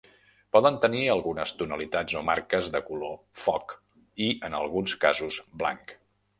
Poden tenir algunes tonalitats o marques de color foc i en alguns casos blanc.